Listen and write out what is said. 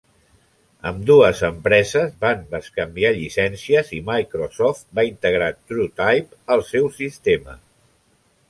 Ambdues empreses van bescanviar llicències i Microsoft va integrar TrueType al seu sistema.